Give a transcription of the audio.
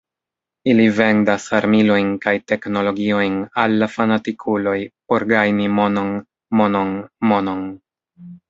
Ili vendas armilojn kaj teknologiojn, al la fanatikuloj, por gajni monon, monon, monon.